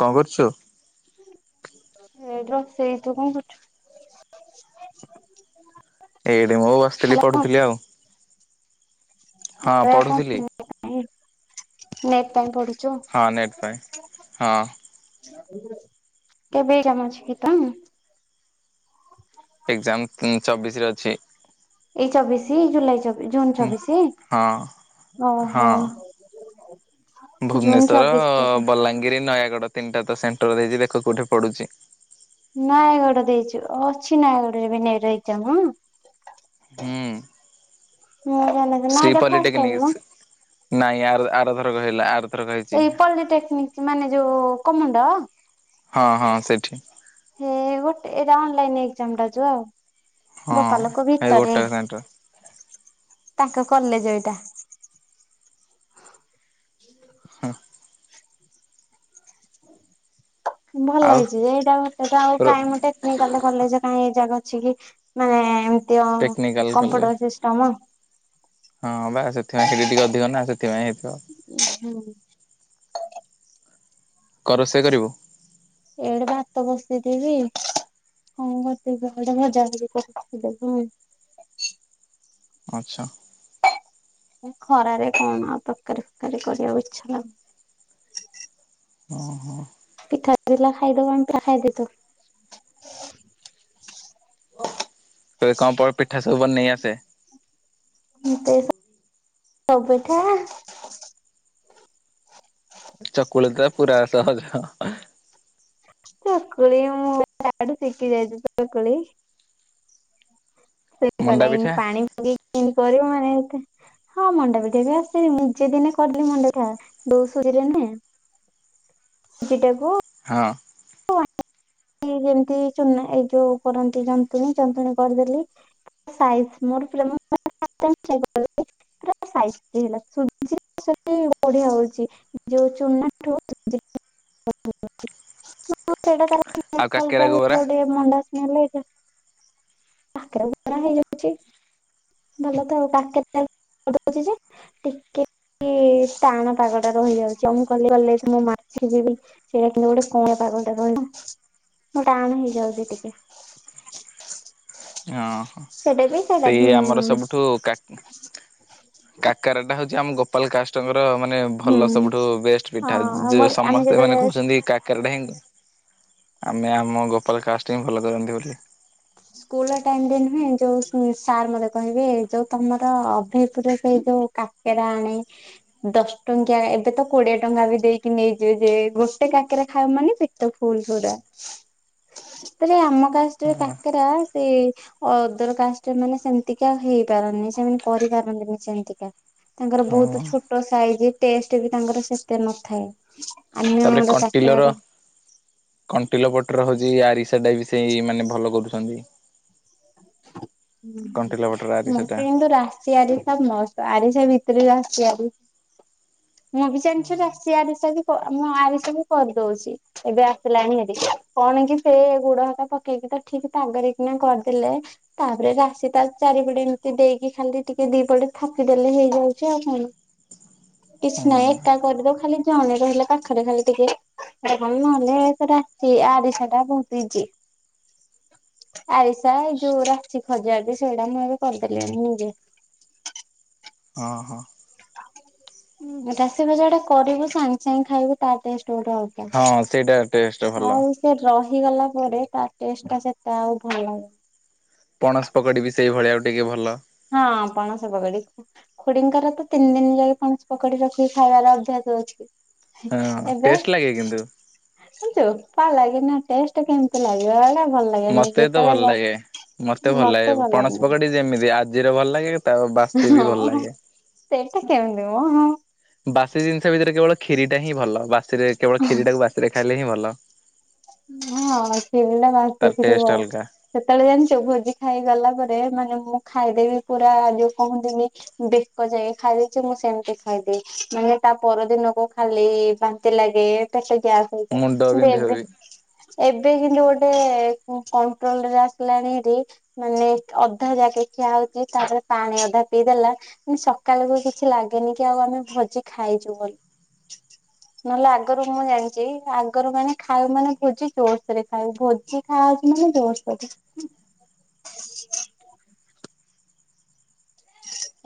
କଣ କରୁଛୁ? ଏଇ ରୋଷେଇ ତୁ କଣ କରୁଛୁ? ଏଇଠି ମୁଁ ବସିଥିଲି ପାଢ଼ୁଥିଲି ଆଉ। ହଁ ପଢୁଥିଲି [unintelligible] ହଁ ନେଟ୍ଫାଇ ହଁ। କେବେ [unintelligible] ଏଗଜାମ୍ ଚବିଶ ରେ ଅଛି। ଏଇ ଚବିସି ଜୁଲାଇ ଚବି ଜୁନ୍ ଚବିଶି ହଁ ଓହୋ। ଜୁନ ଭୁବନେଶ୍ଵର ଚବିଶ ବଲାଙ୍ଗିରି ନୟାଗଡ଼ ତିନିଟା ତ ସେଣ୍ଟର ହେଇଛି ଦେଖ କୋଉଠି ପଡ଼ୁଛି? ନୟାଗଡ଼ ଦେଇଛୁ ଅଛି ନୟାଗଡ଼ରେ ବି [unintelligible] ହୁଁ। ଶ୍ରୀ [unintelligible] ଫଷ୍ଟ ଟାଇମ୍ ପଲିଟେକ୍ନିକ ନା। ନାଇଁ ଆର ଆର ଧର କହିଲା ଆର ଏଇ ପଲିଟେକ୍ନିକ ମାନେ ଯୋଉ କମୁଣ୍ଡ ହଁ ହଁ ସେଠି। ହେ ଗୋଟେ ଏଟା ଅନଲାଇନ ଏକ୍ଜାମ ଟା ଯ ଆଉ ହଁ ଭୋପାଲ କ ହେଇ ଭିତରେ। ଗୋଟାକ ସେଣ୍ଟର ତାଙ୍କ କଲେଜ ଏଇଟା। ହଁ। ଭଲ ଆଉ ହେଇଛି ଏଇଟା ଘଟ ଟା ଆଉ ର କାଇଁମତେ ନ କାଲେ କଲେଜ କାହିଁ ଏଗ୍ଜାମ୍ ଅଛି କି ମାନେ ଏମିତି ଟେକ୍ନିକାଲ କଲେଜ କଫଟ ସିଷ୍ଟମ। ହଁ ବା ସେଥିପାଇଁ ସେଇଠି ଟିକେ ଅଧିକ ନା ସେଥିପାଇଁ ହେଇଥିବ। ହୁଁ। କଣ ରୋଷେଇ କରିବୁ। ଏଆଡେ ଭାତ ବସେଇ ଥିବି। ହଁ କରତେ ଗୋଟେ ଭଜା ଭଜି କରି ରଖିଦବୁ। ଆଚ୍ଛା। ଖରାରେ କଣ ଆଉ ତରକାରୀ, ଫକାରୀ କରିବାକୁ ଇଛାଲାଗୁନି। ଅ ହଁ। ପିଠାଥିଲା ଖାଇଦେବା ଆମେ ଖାଇଦେ ତୁ ଓ କଣ ପିଠା ସବୁବନେଇ ଆସେ। ହଁ ତେଷା ସବୁ ପିଠା। ଚକୁଳି ତ ପୁରା ସହଜ। ଚକୁଳି ମୁଁ ତାଠୁ ଶିଖି ଯାଇଛି ଚକୁଳି। ସେ କହିଲା ମଣ୍ଡା ଇମିତି ପିଠା ପାଣି ପକେଇକି ଇମିତି କରିବ ମାନେ ଏତେ ହଁ ମଣ୍ଡାପିଠା ବି ଆସି ମୁଁ ନିଜେ ଦିନେ କରିଦେଲି ମଣ୍ଡାପିଠା ବୋଉ ସୋଦି ଲେନେ। ସେଟାକୁ। ହଁ। ୱାନ ଏ ଯେମିତି ଚୁନା ଏଇ ଯୋଉ କରନ୍ତି ଜନ୍ତୁଣୀ ଜନ୍ତୁଣୀ କରିଦେଲି। ସାଇଫି ମୋର ପ୍ରେମ। [inaudible] ପୁରା ସାଇଜି କି ହେଲା [inaudible] ବଢିଆ ହଉଛି। ଯୋଉ ଚୂନା ଠୁ। [inaudible] ସେଟା ତାର ଆଉ ଅଲଗା। କାକେରା ଗୋବରା [inaudible] ମଣ୍ଡା ସିନା ହେଲେ ଏକା କାକରା, ଫାକରା ହେଇଯାଇଛି। ଭଲ ଥାଉ କାକେରା ଦଉଛି ଯେ ଟିକେ ଟାଣ ପାଗ ଟା ରହିଯାଉଛି ଆଉ ମୁଁ ଗଲେ ମୁଁ ମାଛି କୁ ଯିବି। ସେଇଟା କିନ୍ତୁ ଗୋଟେ କୁଅଳା ପାଗଟା ରହିବ ତ ଟାଣ ହେଇଯାଉଛି ଟିକେ। ସେଟା ବି ସେଟା ହୁଁ। ଠୁ କା [unintelligible] କାକେରା ଟା ହଉଛି ଆମ ଗୋ। କୋପାଲ କାଷ୍ଟଙ୍କର ମାନେ ଭଲ ହୁଁ ସବୁଠୁ ବେଷ୍ଟ ହଁ ପିଠା ଆମର ଯେଉଁ ଆମେ ସମସ୍ତେ ଯେତେବେଳେ ମାନେ କହୁଛନ୍ତି କା କେରେଡ଼େଇ ଆମେ ଆମ ଗୋପାଳ କାଷ୍ଟ ହି ଭଲ କରନ୍ତି ବୋଲି। ସ୍କୁଲ ଟାଇମ ରେ ନୁହେଁ ଯୋଉ ସାର୍ ମତେ କହିବେ ଯୋଉ ତମର ଅଫିସ ରେ ସେଇ ଯୋଉ କାକେରା ଆଣେ। ଦଶ ଟଙ୍କିଆ ଏବେ ତ କୋଡିଏ ଟଙ୍କା ବି ଦେଇକି ନେଇଯିବେ ଯେ ଗୋଟେ କାକରା ଖାଇବାମାନେ ପେଟ ଫୁଲ ପୁରା ସେତେରେ ଆମ କାଷ୍ଟ ରେ କାକରା ସେ ଅଦର କାଷ୍ଟ ମାନେ ସେମିତିକା ହେଇପାରନ୍ତିନି ସେମାନେ କରିପାରନ୍ତିନି ସେମିତିକା। ତାଙ୍କର ବହୁତ ହଁ ଛୋଟ ସାଇଜ ଟେଷ୍ଟ ବି ତାଙ୍କର ସେତେ ନଥାଏ। ଅନ୍ୟ ଆଡେ କାକରା ଆଡେ। କଣ୍ଟିଲୋ ପଟରେ ହୋଉଛି ଆରିସାଟା ବି ସେଇ ମାନେ ଭଲ କରୁଛନ୍ତି। କଣ୍ଟିଲ ପଟର ଆରିସାଟା ମତେ କିନ୍ତୁ ରାଶି ଆରି। ସବ ମସ୍ତ ଆରିସା ଭିତରେ ଆସି ଆରିା ମୁଁ ବି ଜାଣିଛି ଆସି ଆରିସା। ମୁଁ ଆରିସା ବି କରିଦେଉଛି। ଏବେ ଆସିଲାଣି ହେରି କଣ କି ସେ ବୁଢାବାପା ପକେଇକି ତ ଠିକ ତାଗରେ କିନା କରିଦ ଥିଲେ। ତାପରେ ରାଶି ତା ଚାରିପଟେ ଏମିତି ଦେଇକି ଖାଲି ଟିକେ ଦି ପଟେ ଥାକିଦେଲେ ହେଇଯାଉଛି ଆଉ କଣ? କିଛି ନାହିଁ ହଁ ଏକା କରିଦଉ ଖାଲି ଜଣେ ରହିଲେ ପାଖରେ ଖାଲି ଟିକେ ସେଟା କର ନହେଲେ ରା ଆରିଷାଟା ବହୁତ ଇଜି। ଆରିଷା ଏଇ ଯୋଉ ରକ୍ଚି ଖଜା ବି ସେଇଟା ମୁଁ ଏବେ କରିପାରିଲିଣି ନିଜେ। ହଁ ହଁ। ଉଁ ରାଶୀ ଭଜାଟା କରିବୁ ସାଙ୍ଗେ ସାଙ୍ଗ ଖାଇବୁ ତା ଟେଷ୍ଟ ଗୋଟେ ହବ। ହଁ ସେଇଟା ଟେଷ୍ଟ ଭଲ। ସେ ରହିଗଲା ପରେ ତା ଟେଷ୍ଟ ଟା ସେତେ ଆଉ ଭଲନାହିଁ। ପଣସ ପକୋଡି ବି ସେଇଭଳିଆ ଆଉ ଟିକେ ଭଲ। ହଁ ପଣସ ପକୋଡି। ଖୁଡିଙ୍କର ତ ତିନି ଦିନ ଯାଏ ପଣସ ପକୋଡି ରଖିକି ଖାଇବାର ଅଭ୍ୟାସ ଅଛି। ହଁ ହୁଁ ଏବେ। ଟେଷ୍ଟ ଲାଗେ କିନ୍ତୁ ସୁଛ କାଣ ଲାଗେ ନା ଟେଷ୍ଟ କେମିତି ଲାଗିବ ଏଇଟା ଭଲ ଲାଗେନି ମତେ ତ ଯେତେବେଳେ ଭଲ ଗ ଲାଗେ ମତେ ଭଲ ଲାଗେ ପଣସ ପକୋଡି ଯେମିତି ଆଜିର ଭଲ ଲାଗେ ତା ବାସି ବି ହଁ ଭଲ ହଁ ଲାଗେ। ସେଇଟା କେମତି ମ ବାସି ଜିନିଷ ଭିତରେ କେବଳ ଖିରିଟା ହିଁ ଭଲ ବାସିରେ କେବଳ ଖିରିଟାକୁ ବାସିରେ ଖାଇଲେ ହିଁ ଭଲ। ହଁ ସେଭଳିଆ ବାସି ତାର ଖିରି ଟେଷ୍ଟ ଭଲ। ଅଲଗା ସେତେବେଳେ ଜାଣିଛ ଭୋଜି ଖାଇ ଗଲା ପରେ ମାନେ ମୁଁ ଖାଇଦେବି ପୁରା ଯୋଉ କହନ୍ତିନି ବେକ ଯାଏଁ ଖାଇଦେଇଛି ମୁଁ ସେମତି ଖାଇଦିଏ ମାନେ ତା ପରଦିନ କୁ ଖାଲି ବାନ୍ତି ଲାଗେ ପେଟ ଗ୍ୟାସ ମୁଣ୍ଡ ହେଇଯାଏ ମୋର ବିନ୍ଧିବ ଏବେ ବି ଏବେ କିନ୍ତୁ ଗୋଟେ କଣ କଣ୍ଟ୍ରୋଲ ରେ ଆସିଲାଣି ଏଠି ମାନେ ଅଧା ଯାକେ ଖିଆ ହଉଛି ତାପରେ ପାଣି ଅଧା ପିଇଦେଲା ସକାଳ ଯାଏ କିଛି ଲାଗେନି କି ଆଉ ଆମେ ଭୋଜି ଖାଇଛୁ ବୋଲି। ନହେଲେ ଆଗରୁ ମୁଁ ଜାଣିଛି ଆଗରୁ ମାନେ ଖାଉ ମାନେ ଭୋଜି ଜୋସରେ ଖାଉ ଭୋଜି ଖାଉଛି ମାନେ ଜୋସରେ।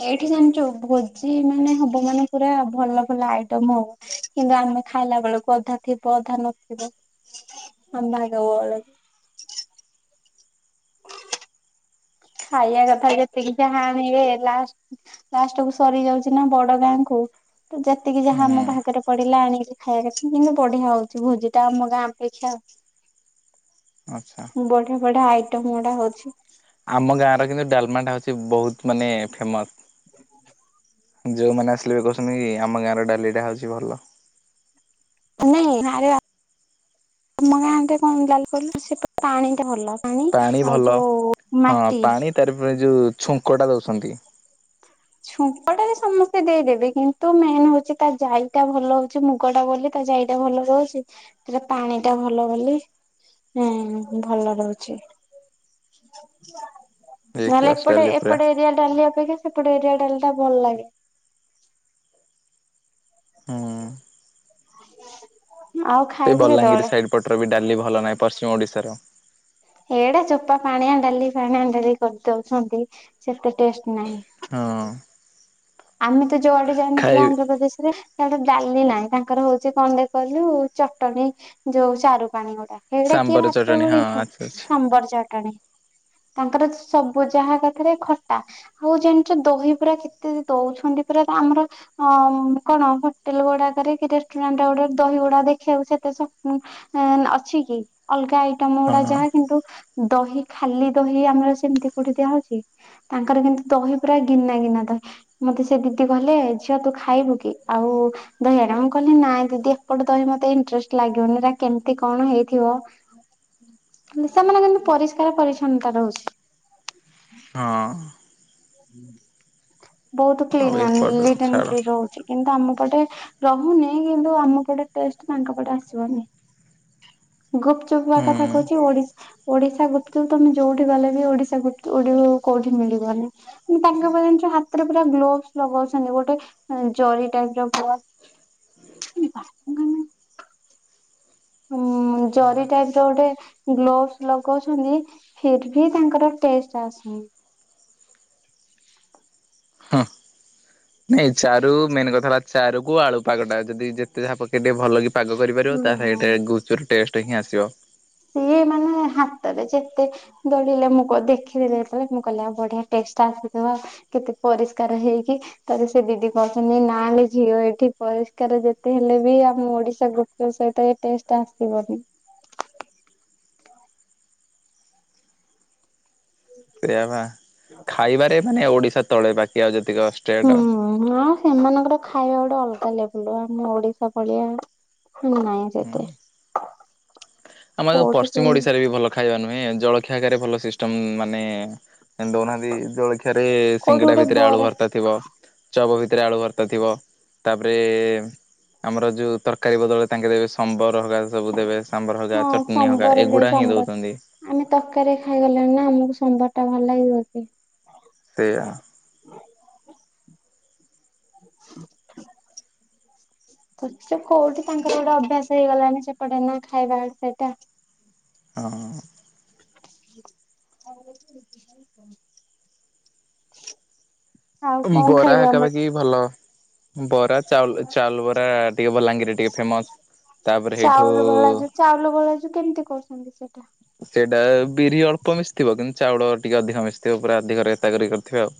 ଏଇଠି ଜାଣିଛୁ ଭୋଜି ମାନେ ହବ ମାନେ ପୁରା ଭଲ ଭଲ ଆଇଟମ ହବ। କିନ୍ତୁ ଆମେ ଖାଇଲା ବେଳକୁ ଅଧା ଥିବ ଅଧା ନଥିବ [unintelligible] ବେଳକୁ। ଖାଇବା କଥା ଯେତିକି ଯାହା ଆଣିବେ ଲାଷ୍ଟ ଲାଷ୍ଟକୁୁ ସରି ଯାଉଛି ନା ବଡ ଗାଁ କୁ ତ ଯେତିକି ଯାହା ଆମ ହୁଁ ଭାଗରେ ପଡିଲା ଆଣିକି ଖାଇବାର ଅଛି କିନ୍ତୁ ବଢିଆ ହଉଛି ଭୋଜି ଟା ଆମ ଗାଁ ଅପେକ୍ଷା ଆଉ। ଆଚ୍ଛା। ବଢିଆ ବଢିଆ ଆଇଟମ ଗୁଡା ହଉଛି। ଆମ ଗାଁର କିନ୍ତୁ ଡାଲମା ଟା ହଉଛି ବହୁତ ମାନେ ଫେମସ। [inaudible] ଯୋଉଁମାନେ ଆସିଲେ ବି କହୁଛନ୍ତି କି ଆମ ଗାଁ ର ଡାଲିଟା ହେଉଛି ଭଲ। ନାଇଁ ଆରେ ଆମ ଗାଁରେ କଣ ଡାଲି କହିଲ ସେପଟେ ପାଣି ଟା ଭଲ। ପାଣି ଆଉ ଯୋଉ ମାଟି। ତାରି ଉପରେ ଯୋଉ ଛୁଙ୍କଟା ଦଉଛନ୍ତି। ଛୁଙ୍କ ଟା ବି ସମସ୍ତେ ଦେଇଦେବେ କିନ୍ତୁ ମେନ ହଉଛି ତା ଜାଇଟା ଭଲ ହଉଛି ମୁଗ ଟା ବୋଲି ତା ଯାଇଟା ଭଲ ରହୁଛି ସେଟା ପାଣି ଟା ଭଲ ବୋଲି ନାହିଁ ଭଲ ରହୁଛି। ଏ ନହେଲେ କ୍ଲାସ ଏପଟେ ଡାଲି ପୁରା ଏପଟେ ଏରିଆ ଡାଲି ଅପେକ୍ଷା ସେପଟେ ଏରିଆ ଡାଲି ଟା ଭଲ ଲାଗେ। ହୁଁ [inaudible] ଆଉ ସେ ଖାଇବୁ ବଲାଙ୍ଗୀରି କେତେବେଳେ ସାଇଡ ପଟର ବି ଡାଲି ଭଲ ନାହିଁ ପଶ୍ଚିମ ଓଡିଶାର। ଏଇଟା ଚୋପା ପାଣିଆ ଡାଲି ପାଣିଆ ଡାଲି କରିଦଉଛନ୍ତି ସେତେ ଟେଷ୍ଟ ନାହିଁ। ହଁ ଆମେ ତ ଯୁଆଡ଼େ ଯାଉନଥିଲୁ ଖାଇ ଆନ୍ଧ୍ରପ୍ରଦେଶରେ ସିଆଡେ ଡାଲି ନାହିଁ ତାଙ୍କର ହଉଛି କଣ ଟେ କହିଲୁ ଚଟଣି ଯୋଉ ଚାରୁ ପାଣି ଗୋଡ଼ା। ସିଆଡେ କିଏ ସାମ୍ବର ଭାତ ରେ ଚଟଣି ହଁ ଗୋଳେଇକି ଆଚ୍ଛା ଖାଏ ଆଚ୍ଛା ସାମ୍ବର ଚଟଣି। ତାଙ୍କର ସବୁ ଯାହା କରିଥିବେ ଖଟା ଆଉ ଜାଣିଛୁ ଦହି ପୁରା କେ ଯେ ଦଉଛନ୍ତି ପୁରା ତ ଆମର ହଁ କଣ ହୋଟେଲ୍ ଗୁଡ଼ାକରେ କି ରେଷ୍ଟୁରାଣ୍ଟ ଗୁଡ଼ାକ ଦହି ଗୁଡ଼ା ଦେଖିବାକୁ ସେତେ ସ ହଁ ଅଛି କି ଅଲଗା ଆଇଟମ୍ ଗୁଡ଼ା ହଁ ଯାହା କିନ୍ତୁ - ଦହି ଖାଲି ଦହି ଆମର ସେମିତି କୋଉଠି ଦିଆହଉଛି? ତାଙ୍କର କିନ୍ତୁ ଦହି ପୁରା ଗିନା ଗିନା ତ ମତେ ସେ ଦିଦି କହିଲ ଝିଅ ତୁ ଖାଇବୁ କି ଆଉ? ଦହିଅଡା ମୁଁ କହିଲି ନାଇଁ ଦିଦି ଏପଟେ ଦହି ମୋତେ ଇଣ୍ଟରେଷ୍ଟ ଲାଗିବନି ସେଗୁଡ଼ା କେମତି କଣ ହେଇଥିବ। ସେମାନେ କିନ୍ତୁ ପରିଷ୍କାର ପରିଚ୍ଛନ୍ନତା ରହୁଛି। ହଁ ବହୁତ ଆଉ କ୍ଲିନ୍ ଏପଟରେ ନିଟ ଆଣ୍ଡ୍ ଛାଡ କ୍ଲିନ୍ ରହୁଛି। କିନ୍ତୁ ଆମ ପଟେ ରହୁନି କିନ୍ତୁ ଆମ ପଟେ ଟେଷ୍ଟ ତାଙ୍କ ପଟେ ଆସିବନି। ଗୁପଚୁପ୍ କଥା ହୁଁ କହୁଛି ଓଡିଶା ଓଡିଶା ଗୁପଚୁପ୍ ତମେ ଯୋଉଠି ଗଲେ ବି ଓଡିଶା ଗୁପଚୁପ୍ କୋଉଠି ମିଳିବନି। କିନ୍ତ ତାଙ୍କେ ଜାଣିଛ ହାତରେ ପୁରା ଗ୍ଲୋଭସ୍ ଲଗଉଛନ୍ତି ଗୋଟେ। ହଁ ଜରି ଟାଇପ୍ ର ଗ୍ଲୋବ୍। ହୁଁ ଜରି ଟାଇପ୍ ର ଗୋଟେ ଗ୍ଲୋଭସ୍ ଲଗଉଛନ୍ତି। ଫିର୍ ଭି ତାଙ୍କର ଟେଷ୍ଟ ଆସୁନି। ହଁ ନାଇଁ ଚାରୁ ମେନ୍ କଥା ହେଲା ଚାରୁ କୁ ଆଳୁ ପାଗଟା ଯଦି ଯେତେ ଯାହା ପକେଇ ଦେ ଭଲ କି ପାଗ କରିପାରିବ ହୁଁ ତା ହୁଁ। ଗୁପଚୁପ୍ ର ଟେଷ୍ଟ ହିଁ ଆସିବ। ସିଏ ମାନେ ହାତରେ ଯେତେ ଦଳିଲେ ମୁଁ କ ଦେଖିଦେଲି ଯେତେବେଳେ ମୁଁ କହିଲି ଆଉ ବଢ଼ିଆ ଟେଷ୍ଟ ଆସିଥିବ ଆଉ। କେତେ ପରିଷ୍କାର ହେଇକି ତାପରେ ସେ ଦିଦି କହୁଛନ୍ତି ନାଇଁଲ ଝିଅ ଏଠି ପରିଷ୍କାର ଯେତେ ହେଲେ ବି ଆମ ଓଡିଶା ସେ ଟାଇପ୍ ର ଟେଷ୍ଟ ଆସିବନି। ସେଇଆ ବା ଖାଇବାରେ ମାନେ ଓଡ଼ିଶା ତଳେ ବାକି ଆଉ ଯେତିକ ଅଛି ହୁଁ ହଁ ସେମାନଙ୍କର ଖାଇବାଟା ଅଲଗା ଲେବୁଲ୍ ର ଆମ ଓଡ଼ିଶା ଭଳିଆ ନାଇଁ ସେତେ। ଆମର ଯୋଉ କୋଉଠି ପଶ୍ଚିମ କେମିତି ଓଡ଼ିଶାରେ ବି ଭଲ ଖାଇବା ନୁହେଁ ଜଳଖିଆକରେ ଭଲ ସିଷ୍ଟମ ମାନେ ଦେଉନାହାଁନ୍ତି ଜଳଖିଆ ରେ କୋଉଠି ସିଙ୍ଗିଡ଼ା ଗୋଟେ ଭିତରେ ଆଳୁ ବରା ଭର୍ତା ଥିବ। ଚପ୍ ଭିତରେ ଆଳୁ ଭର୍ତା ଥିବ ତାପରେ ଆମର ଯୋଉ ତରକାରୀ ବଦଳରେ ତାଙ୍କେ ଦେବେ ସମ୍ବର୍ ହରିକା ସବୁ ଦେବେ ସାମ୍ବର ହ ହଁ ଚଟଣି୍ ହକା ସମ୍ବରରେ ଏଗୁଡ଼ା ହିଁ ସମ୍ବର ଦଉଛନ୍ତି। ଆମେ ତରକାରୀ ଖାଇଗଲେଣି ନା ଆମକୁ ସମ୍ବର ଟା ଭଲ ଲାଗିବ କି? ସେଆ ହୁଁ ହୁଁ। [inaudible] କିଛି କୋଉଠି ତାଙ୍କର ଗୋଟେ ଅଭ୍ୟାସ ହେଇଗଲାଣି ସେପଟେ ନା ଖାଇବା ସେଇଟା। ହଁ। [unintelligible] ଆଉ ଅମ କଣ ବରା ଖାଇବୁ ହକା ଆମର ବିକି ଭଲ। ବରା ଚାଉଲ ଚାଉଲ ବରା ଟିକେ ବଲାଙ୍ଗୀରେ ଟିକେ ଫେମସ୍। ଚାଉଳ ବରା ଜୁ ଚାଉଳ ବରା ଜୁ କେମିତି କରୁଛନ୍ତି ସେଇଟା? ସେଇଟା ବିରି ଅଳ୍ପ ମିଶିଥିବ କିନ୍ତୁ ଚାଉଳ ଟିକେ ଅଧିକ ମିଶଥିବ ପୁରା ଅଧିକ ରେ ଏତା କରିକି କରିଥିବେ ଆଉ।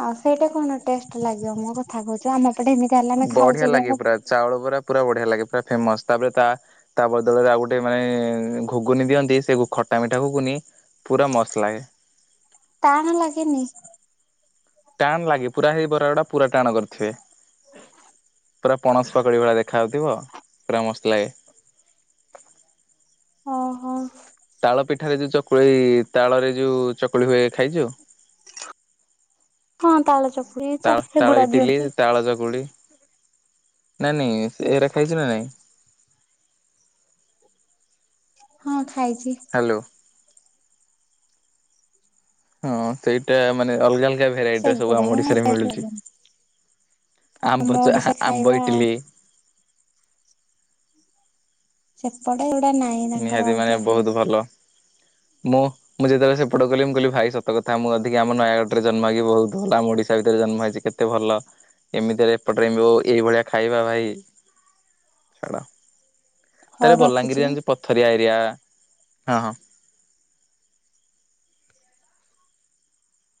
ଆଉ ସେଇଟା କଣ ଟେଷ୍ଟ ଲାଗିବ ମୁଁ କଥା କହୁଛ ଆମ ପଟେ ଏମିତି ହେଲା ଆମେ ବଢିଆ ଖାଉଛେ କି ଲାଗେ ଇଆଡ଼େ ପୁରା ଚାଉଳ ବରା ପୁରା ବଢିଆ ଲାଗେ ପୁରା ଫେମସ୍ ତାପରେ ତା ତା ବଦଳରେ ଆଉ ଗୋଟେ ମାନେ ଘୁଗୁନି ଦିଅନ୍ତି ସେ ଗୁ ଖଟା ମିଠା ଘୁଗୁନି ପୁରା ମସ୍ତ ଲାଗେ। ଟାଣ ଲାଗେନି? ଟାଣ ଲାଗେ ପୁରା ହେଇ ବରା ଗୁଡା ପୁରା ଟାଣ କରିଥିବେ। ପୁରା ପଣସ ପକଡ଼ି ଭଳି ଦେଖାଯାଉଥିବ ପୁରା ମସ୍ତ ଲାଗେ। ଓହୋ। ତାଳ ପିଠାରେ ଯୋଉ ଚକୁଳି ତାଳରେ ଯୋଉ ଚକୁଳି ହୁଏ ଖାଇଛୁ? ହଁ ତାଳ ଚକୁଳି ତା ତାଳ ସେଗୁଡା ଇଟିଲ ଦିଅନ୍ତି। ତାଳ ଚକୁଳି। ନାଇଁ ନାଇଁ ସେ ଏରା ଖାଇବୁ ନା ନାଇଁ? ହଁ ଖାଇଛି। ହ୍ୟାଲୋ। ହଁ ସେଇଟା ମାନେ ଅଲଗା ଅଲଗା ଭେରାଇଟିର ସବୁ ସେଗୁଡା ଆମ ଓଡିଶାରେ ମିଳୁଛି ଆମ ଆମ୍ବ ଚା ଓଡିଶା ଆ ଆମ୍ବ ଖାଇବା ଇଟିଲି ସେପଟେ ଏଗୁଡା ନାଇଁ ତାଙ୍କର ନିହାତି ମାନେ ଅଲଗା ବହୁତ ଖାଇବା। ଭଲ ମୁଁ ମୁଁ ଯେତେବେଳେ ସେପଟ କଲି ମୁ କହିଲି ଭାଇ ସତ କଥା ମୁଁ ଅଧିକ ଆମ ନୟାଗଡ଼ ରେ ଜନ୍ମ ହେକି ବହୁତ ଭଲ ଆମ ଓଡିଶା ଭିତରେ ଜନ୍ମ ହେଇଛି କେ ଏତେ ଭଲ ଏମିତିରେ ଏପଟରେ ଏମୋ ଏଇଭଳିଆ ଖାଇବା ଭାଇ ଛାଡ। ହଉ ତାରେ ବଲାଙ୍ଗୀରରେ ରଖୁଛି। ଜାଣିଛୁ ପଥରିଆ ଏରିଆ ହଁ ହଁ।